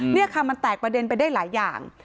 นี่ค่ะมันแตกประเด็นไปได้หลายอย่าง